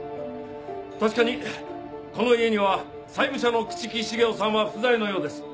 確かにこの家には債務者の朽木茂雄さんは不在のようです。